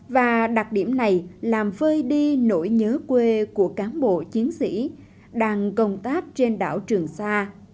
và đặc điểm này làm vơi đi nỗi nhớ quê của cán bộ chiến sĩ đang công tác trên đảo trường sa